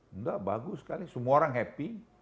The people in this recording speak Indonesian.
enggak bagus sekali semua orang happy